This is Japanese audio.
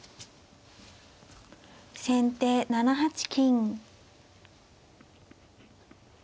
先手７八金。